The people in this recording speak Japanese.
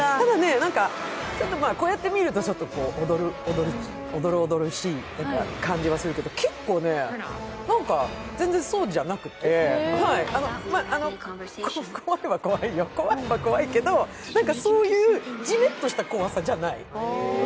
こうやって見ると、おどろおどろしい感じがするけど結構、全然そうじゃなくて、怖いは怖いよ、怖いは怖いけどそういうじめっとした怖さじゃない。